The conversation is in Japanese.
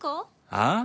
ああ？